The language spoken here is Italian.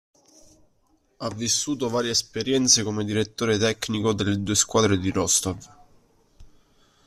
Ha vissuto varie esperienze come direttore tecnico delle due squadre di Rostov.